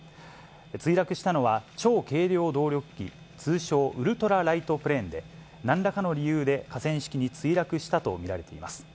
墜落したのは、超軽量動力機、通称ウルトラライトプレーンで、なんらかの理由で河川敷に墜落したと見られています。